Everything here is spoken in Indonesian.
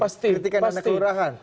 kritikan dengan keurahan